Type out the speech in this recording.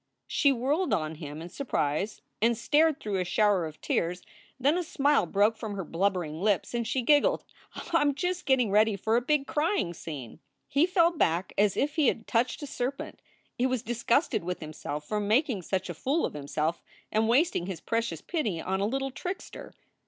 She whirled on him in surprise and stared through a shower 20 298 SOULS FOR SALE of tears. Then a smile broke from her blubbering lips and she giggled: "Oh, I m just getting ready for a big crying scene." He fell back as if he had touched a serpent. He was dis gusted with himself for making such a fool of himself and wasting his precious pity on a little trickster.